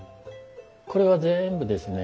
これは全部ですね